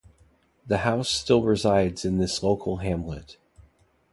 The house still resides in this local hamlet.